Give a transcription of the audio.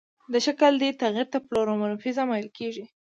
د شکل دې تغیر ته پلئومورفیزم ویل کیږي.